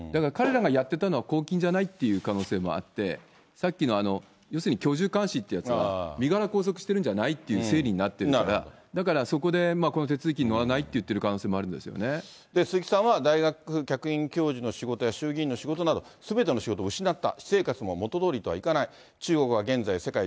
だから彼らがやってたのは、拘禁じゃないっていう可能性もあって、さっきの、要するに居住監視ってやつは、身柄拘束してるんじゃないっていう整理になってるから、だからそこでこの手続きに乗らないっていってる可能性もあるんで鈴木さんは大学客員教授の仕事や衆議院の仕事など、すべての仕事を失った。